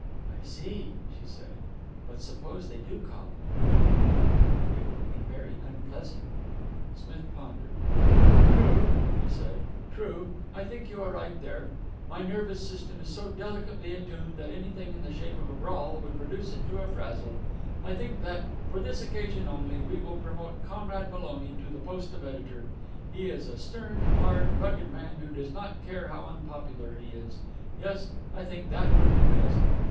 "I see," she said. "But suppose they do call, what will you do? It will be very unpleasant." Smith pondered. "True," he said. "True. I think you are right there. My nervous system is so delicately attuned that anything in the shape of a brawl would reduce it to a frazzle. I think that, for this occasion only, we will promote Comrade Maloney to the post of editor. He is a stern, hard, rugged man who does not care how unpopular he is. Yes, I think that would be best."